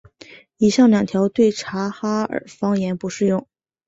以上两条对察哈尔方言不适用。